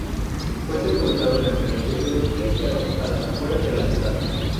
Fue sepultado en el cementerio de los cristianos, a las afueras de la ciudad.